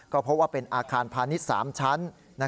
ก็พบว่าเป็นอาคารพาณิชย์๓ชั้น